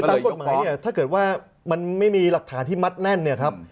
ตามกฎหมายเนี่ยถ้าเกิดว่ามันไม่มีหลักฐานที่มัดแน่นเนี่ยครับ